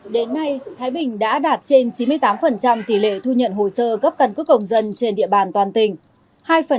đến nay thái bình đã đạt trên chín mươi tám tỷ lệ thu nhận hồ sơ cấp cần cước công dân trên địa bàn toàn tỉnh